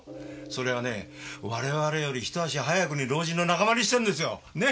それはねぇ我々より一足早くに老人の仲間入りしてんですよ！ね！